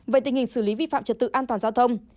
về tình hình xử lý vi phạm trật tự an toàn giao thông